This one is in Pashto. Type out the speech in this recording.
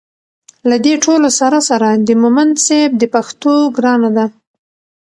له دې ټولو سره سره د مومند صیب د پښتو ګرانه ده